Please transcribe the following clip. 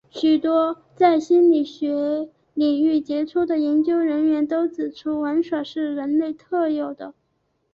许多在心理学领域杰出的研究人员都指出玩耍是人类特有的。